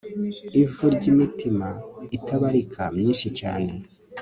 Ivu ryimitima itabarika myinshi cyane